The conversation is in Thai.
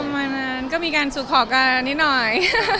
มันก็มีการสุขขอกันนิดหน่อย